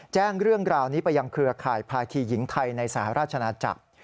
แจ้งเรื่องราวนี้ไปยังเครือข่ายภาคีหญิงไทยในสหราชนาจักร